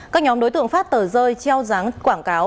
các nhóm đối tượng phát tờ rơi treo ráng quảng cáo